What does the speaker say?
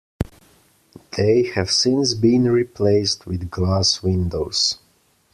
They have since been replaced with glass windows.